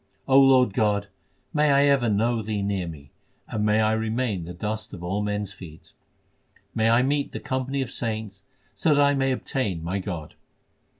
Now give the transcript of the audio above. O Lord God, may I ever know Thee near me, and may I remain the dust of all men s feet ! May I meet the company of saints so that I may obtain my God